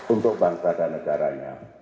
untuk bangsa dan negaranya